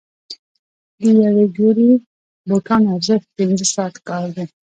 د یوې جوړې بوټانو ارزښت پنځه ساعته کار دی.